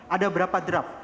ada berapa draft